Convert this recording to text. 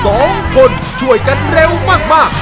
สองคนช่วยกันเร็วมากมาก